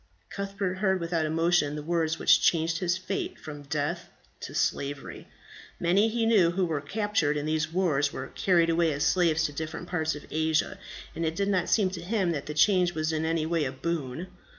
Cuthbert heard without emotion the words which changed his fate from death to slavery. Many, he knew, who were captured in these wars were carried away as slaves to different parts of Asia, and it did not seem to him that the change was in any way a boon.